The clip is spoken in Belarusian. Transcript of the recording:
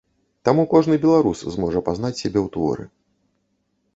Таму кожны беларус зможа пазнаць сябе ў творы.